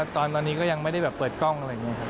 ตอนนี้ก็ยังไม่ได้แบบเปิดกล้องอะไรอย่างนี้ครับ